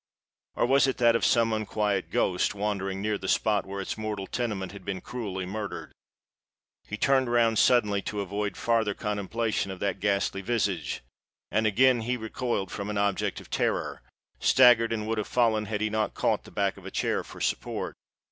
Or was it that of some unquiet ghost, wandering near the spot where its mortal tenement had been cruelly murdered? He turned round suddenly, to avoid farther contemplation of that ghastly visage;—and again he recoiled from an object of terror—staggered—and would have fallen, had he not caught the back of a chair for support.